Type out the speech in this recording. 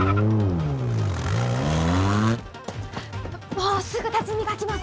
もうすぐ多治見が来ます。